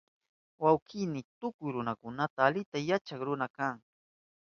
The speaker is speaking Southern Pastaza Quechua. Wawkini tukuy ruranakunata alita yachak runa kan